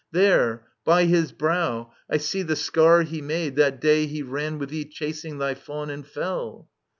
There, by his brow, I see The scar he made, that day he ran with thee Chasing thy fawn, and fell.